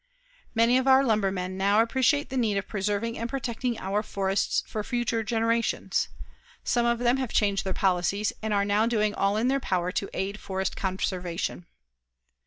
Many of our lumbermen now appreciate the need of preserving and protecting our forests for future generations. Some of them have changed their policies and are now doing all in their power to aid forest conservation.